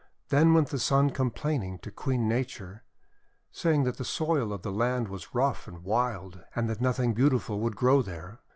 Then went the Sun complaining to Queen Nature, saying that the soil of that land was rough and wild, and that nothing beautiful would grow there.